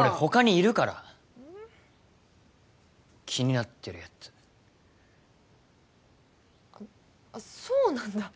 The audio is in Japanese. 俺他にいるから気になってるやつあっそうなんだ